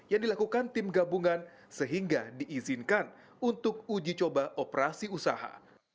yang dilakukan tim gabungan sehingga diizinkan untuk uji coba operasi usaha